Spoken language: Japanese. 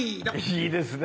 いいですね。